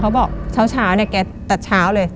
บอกเช้าเนี่ยแกตัดเช้าเลย